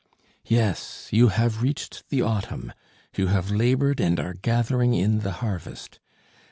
"Yes, you have reached the autumn. You have laboured and are gathering in the harvest.